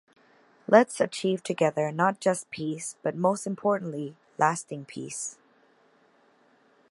Let's achieve together not just peace, but, most importantly, lasting peace.